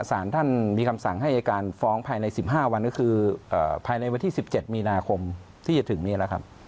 สารท่านมีคำสั่งให้อายการฟ้องภายใน๑๕วันก็คือภายในวันที่๑๗มีนาคมที่จะถึงนี้แหละครับ